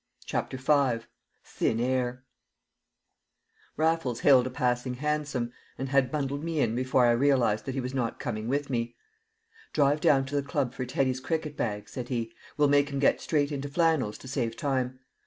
CHAPTER V Thin Air Raffles hailed a passing hansom, and had bundled me in before I realised that he was not coming with me. "Drive down to the club for Teddy's cricket bag," said he; "we'll make him get straight into flannels to save time.